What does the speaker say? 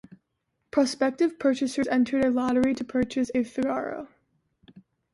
Prospective purchasers entered a lottery to purchase a Figaro.